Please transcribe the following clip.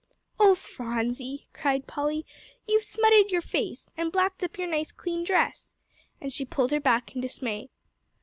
"Oh, Phronsie!" cried Polly, "you've smutted your face, and blacked up your nice clean dress," and she pulled her back in dismay.